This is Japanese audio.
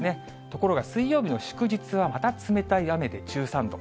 ところが水曜日の祝日はまた冷たい雨で１３度。